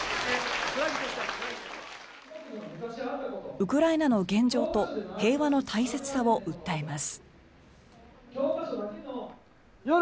ウクライナの現状と平和の大切さを訴えます。